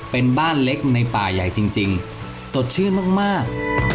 เป็นบ้านเล็กในป่าใหญ่จริงสดชื่นมาก